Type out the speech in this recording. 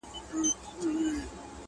خو ډوډۍ یې له هر چا څخه تنها وه؛